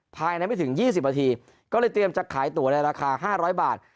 ภายในไม่ถึง๒๐นาทีก็เลยเตรียมจะขายตัวในราคา๕๐๐บาท